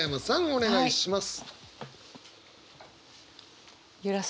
お願いします。